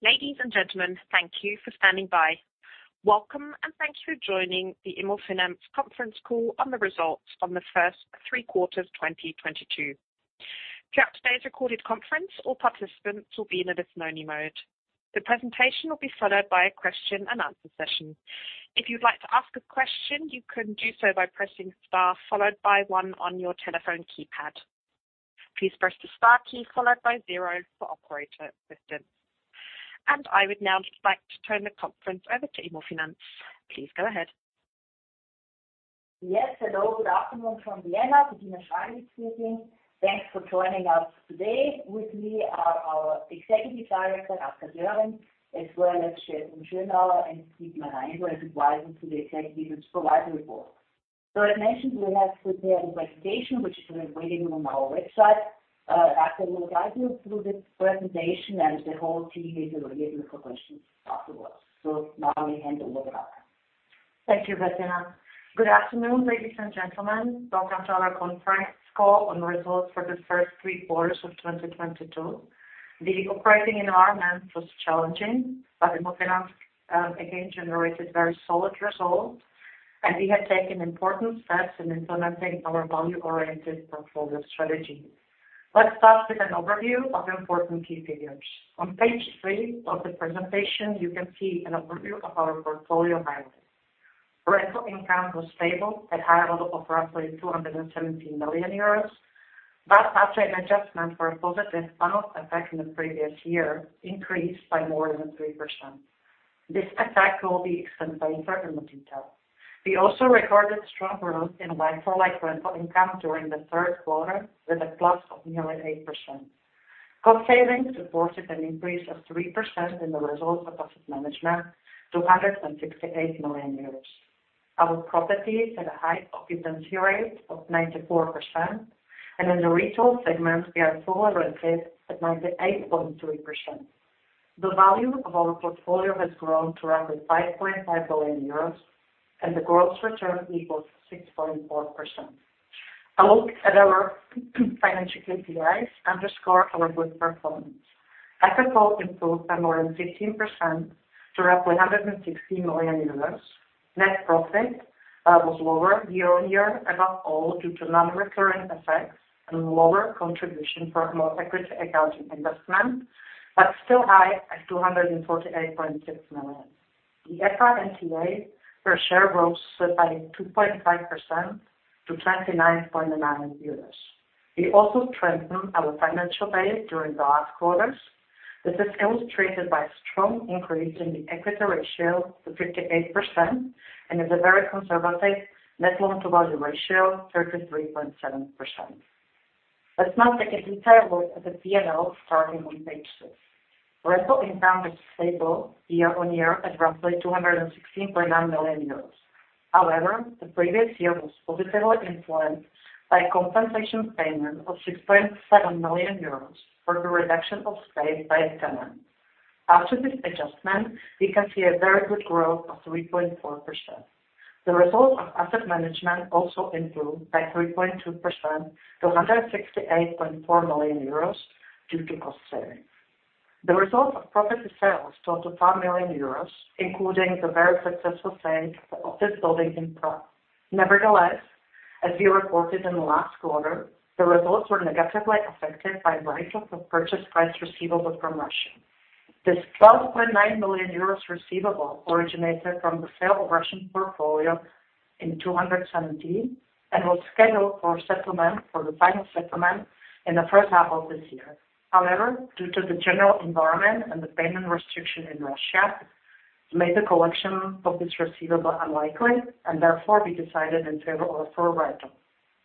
Ladies and gentlemen, thank you for standing by. Welcome, thank you for joining the Immofinanz conference call on the results on the first three quarters of 2022. Throughout today's recorded conference, all participants will be in a listen-only mode. The presentation will be followed by a question-and-answer session. If you'd like to ask a question, you can do so by pressing star followed by one on your telephone keypad. Please press the star key followed by zero for operator assistance. I would now like to turn the conference over to Immofinanz. Please go ahead. Yes. Hello. Good afternoon from Vienna. Bettina Schragl. Thanks for joining us today. With me are our Executive Director, Reka Juhasz, as well as Jason Schönauer and Dietmar Reinl, who is advising to the executives to provide the report. As mentioned, we have prepared a presentation which is available on our website. Reka will guide you through this presentation, and the whole team is available for questions afterwards. Now I hand over to Reka. Thank you, Bettina. Good afternoon, ladies and gentlemen. Welcome to our conference call on results for the first three quarters of 2022. The operating environment was challenging, Immofinanz again, generated very solid results, and we have taken important steps in implementing our value-oriented portfolio strategy. Let's start with an overview of important key figures. On page three of the presentation, you can see an overview of our portfolio highlights. Rental income was stable at high level of roughly 217 million euros. After an adjustment for a positive one-off effect in the previous year increased by more than 3%. This effect will be explained later in more detail. We also recorded strong growth in like-for-like rental income during the third quarter, with a plus of nearly 8%. Cost savings supported an increase of 3% in the results of asset management to 168 million euros. Our properties had a high occupancy rate of 94%, and in the retail segment, we are fully rented at 98.3%. The value of our portfolio has grown to roughly 5.5 billion euros, and the gross return equals 6.4%. A look at our financial KPIs underscore our good performance. EBITDA improved by more than 15% to roughly 160 million euros. Net profit was lower year-on-year, above all, due to non-recurrent effects and lower contribution for our equity accounting investment, but still high at 248.6 million. The EPS/TA per share rose by 2.5% to 29.9 euros. We also strengthened our financial base during the last quarters. This is illustrated by a strong increase in the equity ratio to 58% and as a very conservative Net Loan-to-Value ratio, 33.7%. Let's now take a detailed look at the P&L starting on page 6. Rental income was stable year-on-year at roughly 216.9 million euros. However, the previous year was positively influenced by compensation payment of 6.7 million euros for the reduction of space by a tenant. After this adjustment, we can see a very good growth of 3.4%. The result of asset management also improved by 3.2% to 168.4 million euros due to cost savings. The result of property sales totaled 5 million euros, including the very successful sale of this building in Prague. Nevertheless, as we reported in the last quarter, the results were negatively affected by write-off of purchase price receivable from Russia. This 12.9 million euros receivable originated from the sale of Russian portfolio in 2017 and was scheduled for the final settlement in the H1 of this year. Due to the general environment and the payment restriction in Russia, made the collection of this receivable unlikely and therefore we decided in favor of a write-off.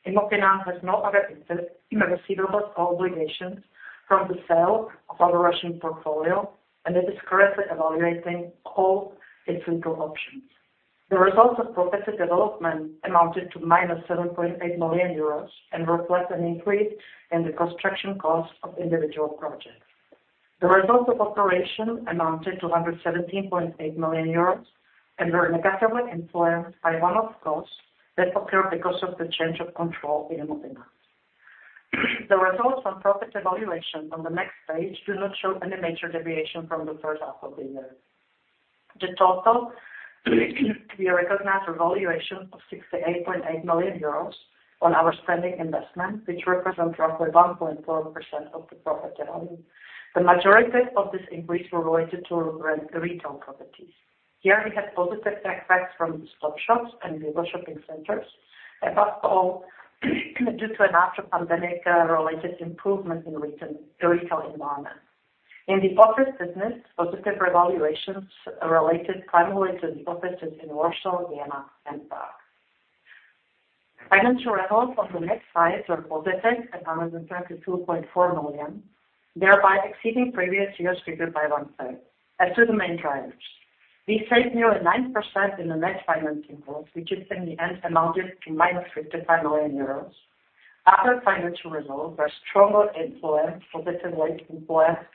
Immofinanz has no other receivables or obligations from the sale of our Russian portfolio, and it is currently evaluating all its legal options. The results of property development amounted to minus 7.8 million euros and reflect an increase in the construction cost of individual projects. The results of operation amounted to 117.8 million euros and were negatively influenced by one-off costs that occurred because of the change of control in Immofinanz. The results on profit evaluation on the next page do not show any major deviation from the first half of the year. The total we recognize a valuation of 68.8 million euros on our spending investment, which represent roughly 1.4% of the profit value. The majority of this increase were related to retail properties. Here we have positive effects from the STOP SHOPs and bigger shopping centers, above all, due to an after pandemic related improvement in the retail environment. In the office business, positive revaluations related primarily to the offices in Warsaw, Vienna, and Prague. Financial results on the next slide were positive at 932.4 million, thereby exceeding previous years figured by one side. As to the main drivers, we saved nearly 9% in the net financial costs, which in the end amounted to -55 million euros. Other financial results were positively influenced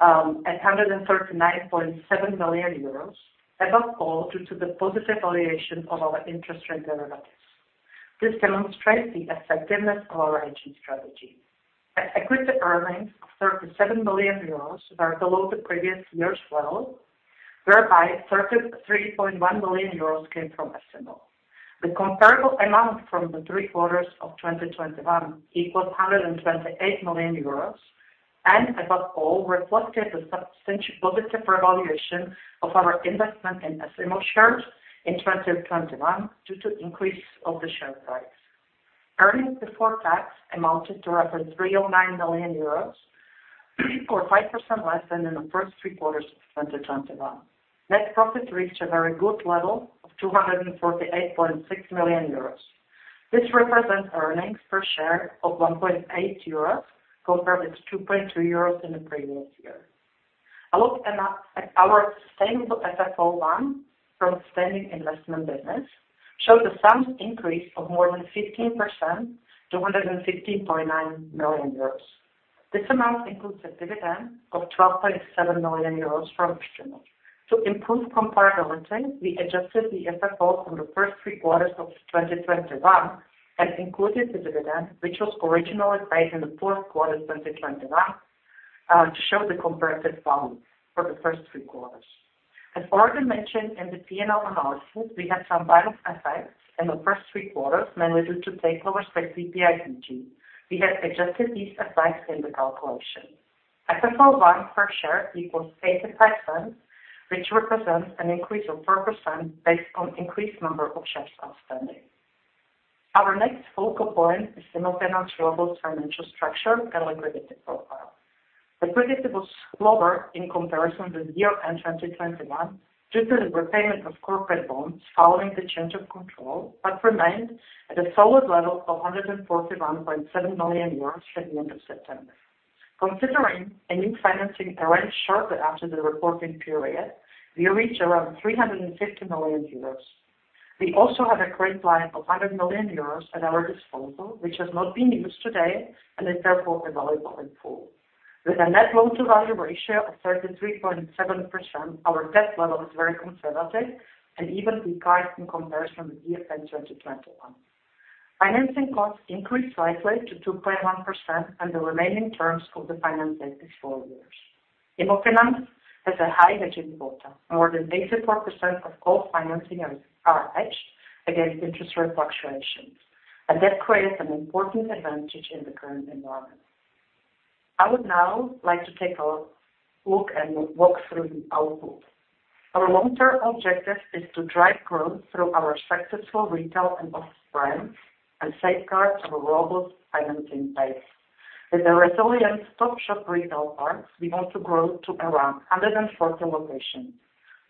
at 139.7 million euros, above all, due to the positive valuation of our interest rate derivatives. This demonstrates the effectiveness of our entry strategy. At equity earnings of 37 million euros were below the previous year's well, whereby 33.1 million euros came from S IMMO. The comparable amount from the three quarters of 2021 equals 128 million euros. Above all reflected the substantial positive revaluation of our investment in S IMMO shares in 2021 due to increase of the share price. Earnings before tax amounted to roughly 3 or 9 million or 5% less than in the first three quarters of 2021. Net profit reached a very good level of 248.6 million euros. This represents earnings per share of 1.8 euros compared with 2.2 euros in the previous year. A look at our sustainable FFO1 from standing investment business showed a sound increase of more than 15% to 115.9 million euros. This amount includes a dividend of 12.7 million euros from Extrema. To improve comparability, we adjusted the FFO from the first three quarters of 2021 and included the dividend, which was originally paid in the fourth quarter 2021, to show the comparative value for the first three quarters. As already mentioned in the P&L analysis, we had some bio effects in the first three quarters, mainly due to take lower spec CPIG. We have adjusted these effects in the calculation. FFO1 per share equals 0.85, which represents an increase of 4% based on increased number of shares outstanding. Our next focal point is the Immofinanz global financial structure and liquidity profile. The credit was lower in comparison to the year-end 2021 due to the repayment of corporate bonds following the change of control, remained at a solid level of 141.7 million euros at the end of September. Considering a new financing arranged shortly after the reporting period, we reached around 350 million euros. We also have a credit line of 100 million euros at our disposal, which has not been used today and is therefore available in full. With a Net Loan-to-Value ratio of 33.7%, our debt level is very conservative and even declines in comparison with year end 2021. Financing costs increased slightly to 2.1%, the remaining terms of the finance is four years. Immofinanz has a high hedging ratio. More than 84% of all financing are hedged against interest rate fluctuations. That creates an important advantage in the current environment. I would now like to take a look and walk through the output. Our long-term objective is to drive growth through our successful retail and office brands and safeguard our robust financing base. With the resilient STOP SHOP retail parks, we want to grow to around 140 locations.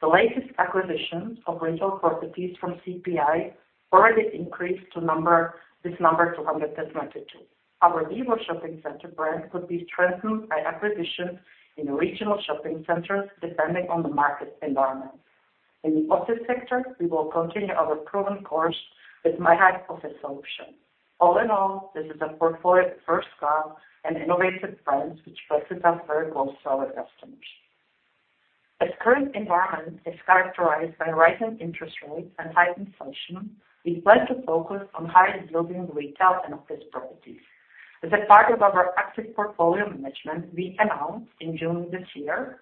The latest acquisitions of retail properties from CPI already increased this number to 122. Our VIVO! shopping center brand could be strengthened by acquisitions in regional shopping centers, depending on the market environment. In the office sector, we will continue our proven course with myhive office solution. All in all, this is a portfolio first class and innovative brands which places us very close to our customers. Current environment is characterized by rising interest rates and heightened function, we plan to focus on high-end building, retail and office properties. A part of our active portfolio management, we announced in June this year,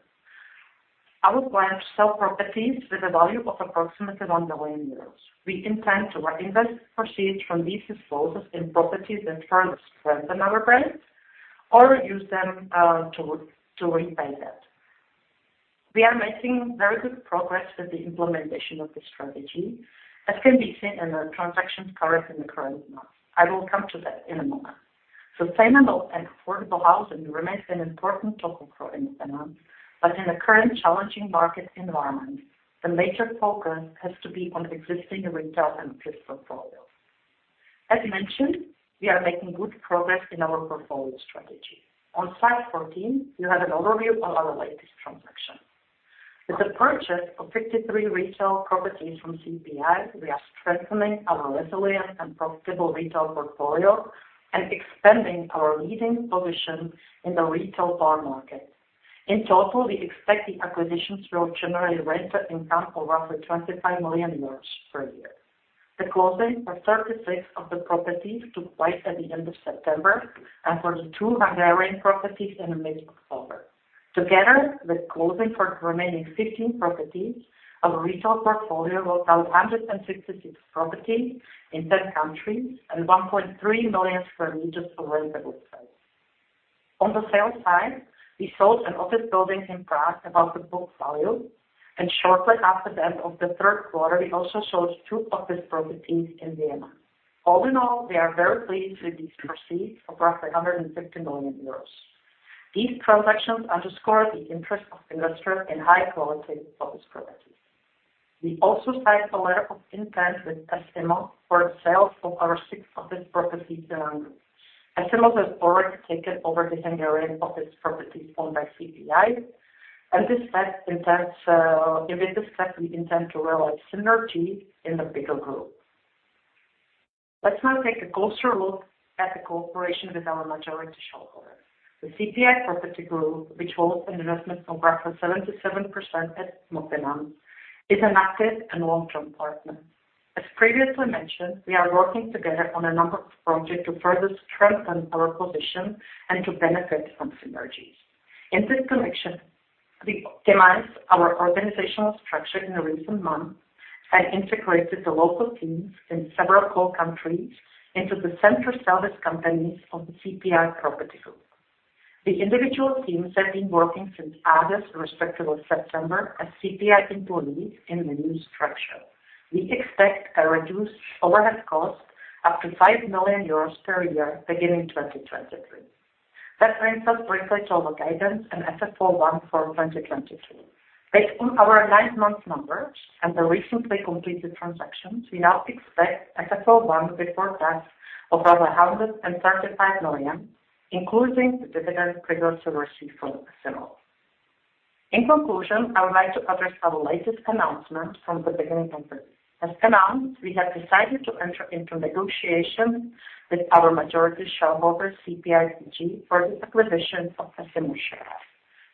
our plan to sell properties with a value of approximately 100 million euros. We intend to reinvest proceeds from these disposals in properties that further strengthen our brands or use them to repay debt. We are making very good progress with the implementation of this strategy, as can be seen in the transactions covered in the current month. I will come to that in a moment. Sustainable and affordable housing remains an important topic for Immofinanz, in the current challenging market environment, the major focus has to be on existing retail and office portfolios. As mentioned, we are making good progress in our portfolio strategy. On slide 14, you have an overview of our latest transaction. With the purchase of 53 retail properties from CPI, we are strengthening our resilient and profitable retail portfolio and expanding our leading position in the retail bar market. In total, we expect the acquisitions will generate rental income of roughly EUR 25 million per year. The closing for 36 of the properties took place at the end of September and for the two Hungarian properties in the mid of October. Together with closing for remaining 15 properties, our retail portfolio will count 166 properties in 10 countries and 1.3 million square meters of rentable space. On the sale side, we sold an office building in Prague above the book value, and shortly after the end of the third quarter, we also sold two office properties in Vienna. All in all, we are very pleased with these proceeds of roughly 150 million euros. These transactions underscore the interest of investors in high quality office properties. We also signed a letter of intent with SML for the sale of our six office properties in Hungary. SML has already taken over the Hungarian office properties owned by CPI, and this fact intends with this fact, we intend to realize synergy in the bigger group. Let's now take a closer look at the cooperation with our majority shareholder. The CPI Property Group, which holds an investment of roughly 77% at Immofinanz, is an active and long-term partner. As previously mentioned, we are working together on a number of projects to further strengthen our position and to benefit from synergies. In this connection, we optimized our organizational structure in the recent months and integrated the local teams in several core countries into the center service companies of the CPI Property Group. The individual teams have been working since August or respectively September as CPI employees in the new structure. We expect a reduced overhead cost up to 5 million euros per year, beginning 2023. Let me now briefly talk about guidance and FFO1 for 2022. Based on our nine-month numbers and the recently completed transactions, we now expect FFO1 before tax of 135 million, including the dividend previously received from sIMMO. In conclusion, I would like to address our latest announcement. As announced, we have decided to enter into negotiations with our majority shareholder, CPIG, for the acquisition of sIMMO shares.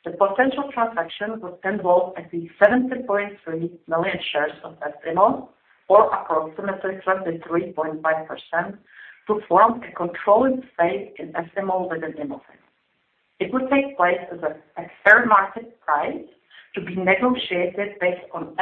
The potential transaction would involve at least 70.3 million shares of sIMMO, or approximately 23.5% to form a controlling stake in sIMMO with Immofinanz. It would take place as a fair market price to be negotiated based on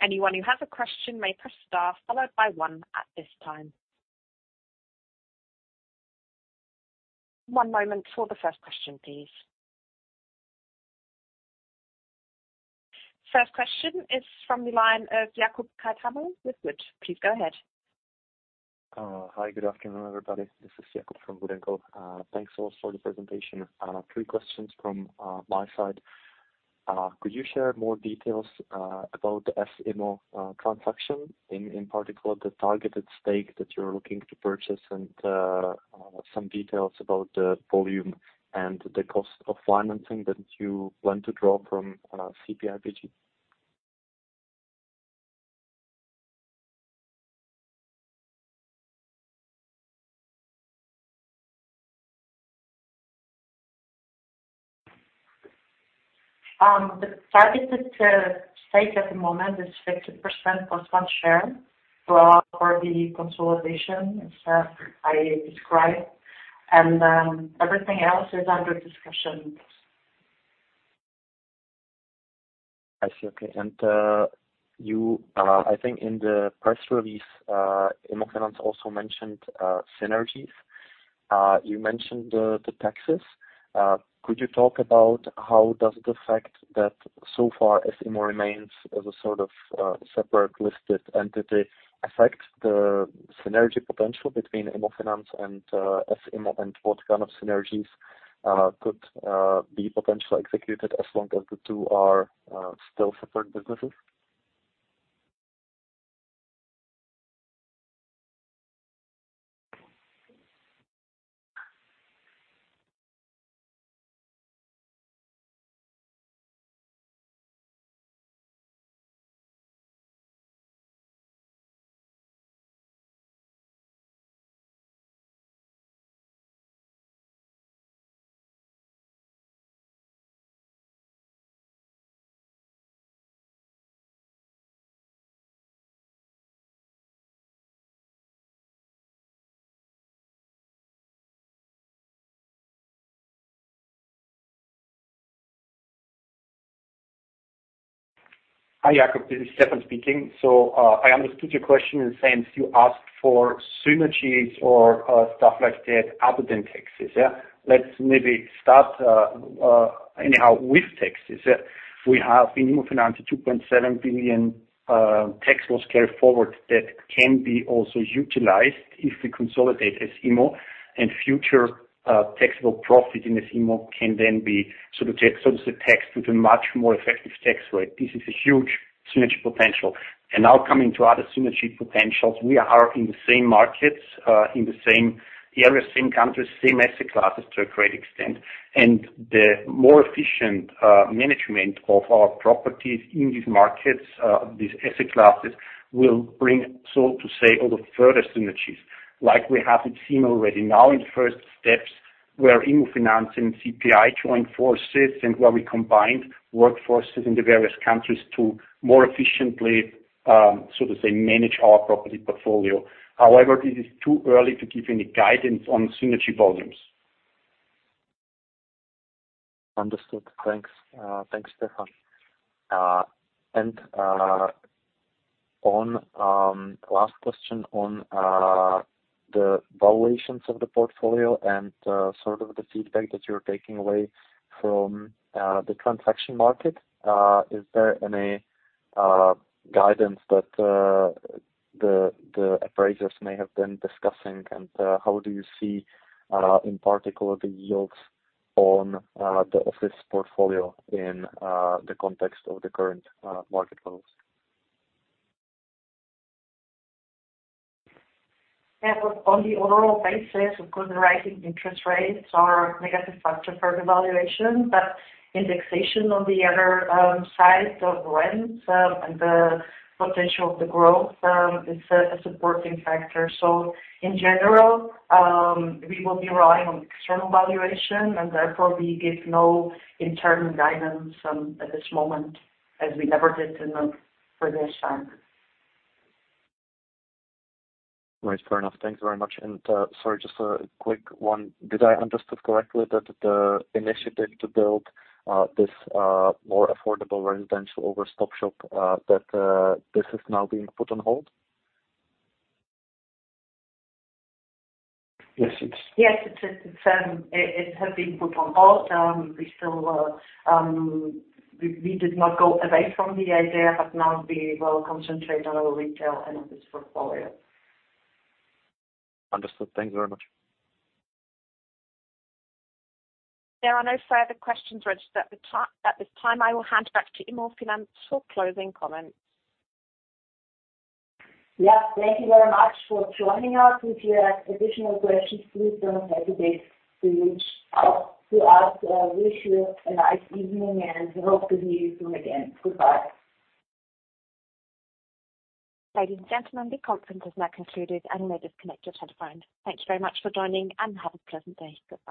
Hi. Good afternoon, everybody. This is Jakub from WOOD & Company. Thanks all for the presentation. Three questions from my side. Could you share more details about the s IMMO transaction, in particular the targeted stake that you're looking to purchase and some details about the volume and the cost of financing that you plan to draw from CPIG? The targeted stake at the moment is 50% plus 1 share to allow for the consolidation, as I described, and everything else is under discussions. I see. Okay. I think in the press release, Immofinanz also mentioned synergies. You mentioned the taxes. Could you talk about how does the fact that so far sIMMO remains as a sort of separate listed entity affect the synergy potential between Immofinanz and sIMMO, and what kind of synergies could be potentially executed as long as the two are still separate businesses? Hi, Jakub, this is Stefan speaking. I understood your question in the sense you asked for synergies or stuff like that other than taxes, yeah. Let's maybe start anyhow with taxes. We have in Immofinanz 2.7 billion tax loss carryforward that can be also utilized if we consolidate sIMMO. Future taxable profit in sIMMO can then be sort of taxed with a much more effective tax rate. This is a huge synergy potential. Now coming to other synergy potentials. We are in the same markets, in the same areas, same countries, same asset classes to a great extent. The more efficient management of our properties in these markets, these asset classes will bring, so to say, all the further synergies. Like we have seen already now in the first steps where Immofinanz and CPI joined forces and where we combined workforces in the various countries to more efficiently, so to say, manage our property portfolio. However, it is too early to give any guidance on synergy volumes. Understood. Thanks. Thanks, Stefan. On last question on the valuations of the portfolio and sort of the feedback that you're taking away from the transaction market, is there any guidance that the appraisers may have been discussing? How do you see in particular the yields on the office portfolio in the context of the current market levels? On the overall basis, of course, the rising interest rates are a negative factor for the valuation, but indexation on the other side of rents, and the potential of the growth is a supporting factor. In general, we will be relying on external valuation, and therefore we give no internal guidance at this moment, as we never did in the previous times. Right. Fair enough. Thanks very much. Sorry, just a quick one. Did I understood correctly that the initiative to build this more affordable residential over STOP SHOP, that this is now being put on hold? Yes. Yes, it's, it has been put on hold. We still, we did not go away from the idea, but now we will concentrate on our retail and office portfolio. Understood. Thank you very much. There are no further questions registered at this time. I will hand back to Immofinanz for closing comments. Yeah. Thank you very much for joining us. If you have additional questions, please don't hesitate to reach out to us. Wish you a nice evening and hope to hear you soon again. Goodbye. Ladies and gentlemen, the conference is now concluded. You may disconnect your telephones. Thank you very much for joining, and have a pleasant day. Goodbye.